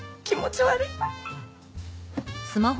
気持ち悪い！